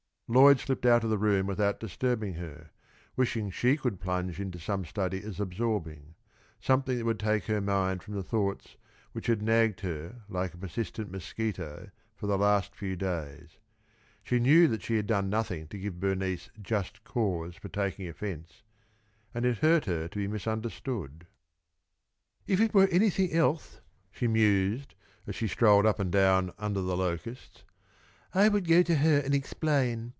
Lloyd slipped out of the room without disturbing her, wishing she could plunge into some study as absorbing, something that would take her mind from the thoughts which had nagged her like a persistent mosquito for the last few days. She knew that she had done nothing to give Bernice just cause for taking offence, and it hurt her to be misunderstood. "If it were anything else," she mused, as she strolled up and down under the locusts, "I could go to her and explain.